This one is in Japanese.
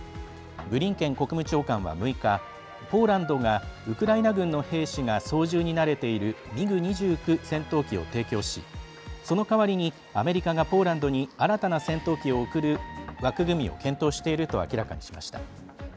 ブリンケン国務長官は６日ポーランドがウクライナ軍の兵士が操縦に慣れているミグ２９戦闘機を提供しその代わりにアメリカがポーランドに新たな戦闘機を送る枠組みを検討していると明らかにしました。